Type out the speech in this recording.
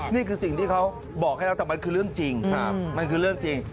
นี่คือสิ่งที่เขาบอกให้เราแต่มันคือเรื่องจริง